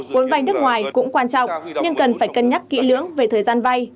vốn vai nước ngoài cũng quan trọng nhưng cần phải cân nhắc kỹ lưỡng về thời gian vay